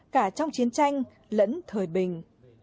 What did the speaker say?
cả trong chiến tranh lẫn thời bình